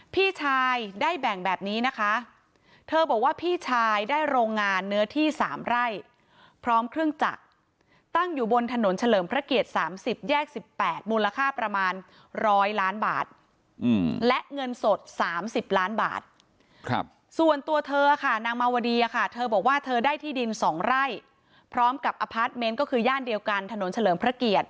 พี่ชายได้แบ่งแบบนี้นะคะเธอบอกว่าพี่ชายได้โรงงานเนื้อที่๓ไร่พร้อมเครื่องจักรตั้งอยู่บนถนนเฉลิมพระเกียรติ๓๐แยก๑๘มูลค่าประมาณร้อยล้านบาทและเงินสด๓๐ล้านบาทส่วนตัวเธอค่ะนางมาวดีอะค่ะเธอบอกว่าเธอได้ที่ดิน๒ไร่พร้อมกับอพาร์ทเมนต์ก็คือย่านเดียวกันถนนเฉลิมพระเกียรติ